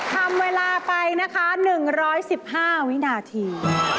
ทำเวลาไปนะคะ๑๑๕วินาที